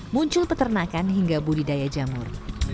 muncul peternakan hingga budidaya jamur